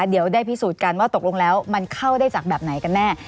เดี๋ยวได้พิสูจน์กันว่าตกลงแล้วมันเข้าได้จากแบบไหนกันแน่